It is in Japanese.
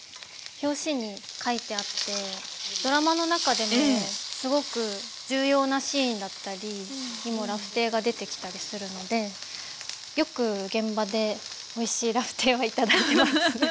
表紙に描いてあってドラマの中でもすごく重要なシーンだったりにもラフテーが出てきたりするのでよく現場でおいしいラフテーは頂いてます。